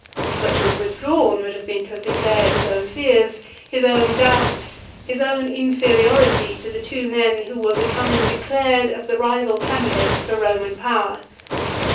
But to have withdrawn would have been to have declared his own fears, his own doubts, his own inferiority to the two men who were becoming declared as the rival candidates for Roman power.